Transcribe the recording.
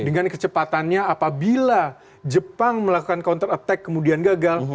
dengan kecepatannya apabila jepang melakukan counter attack kemudian gagal